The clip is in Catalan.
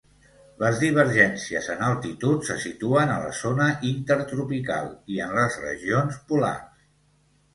Les divergències en altitud se situen a la zona intertropical i en les regions polars.